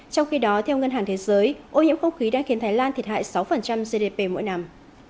trong khi đó theo ngân hàng thế giới ô nhiễm không khí đã khiến thái lan thiệt hại sáu gdp mỗi năm